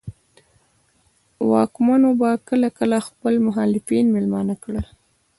واکمنو به کله کله خپل مخالفان مېلمانه کړل.